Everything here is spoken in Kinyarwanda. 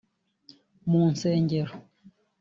mu nsengero